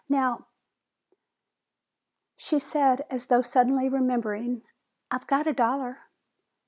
Now " She said, as though suddenly remembering, "I've got a dollar."